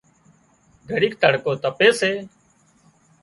گھڙيڪ تڙڪو تپي سي